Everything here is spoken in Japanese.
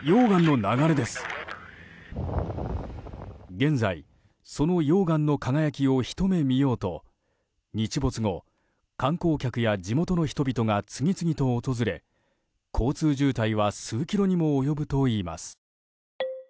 現在、その溶岩の輝きをひと目見ようと日没後、観光客や地元の人が次々と訪れ交通渋滞は数キロにも及ぶといいます。